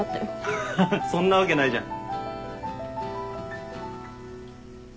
ハハッそんなわけないじゃん。